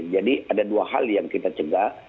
jadi ada dua hal yang kita cegah